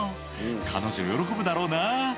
「彼女喜ぶだろうな」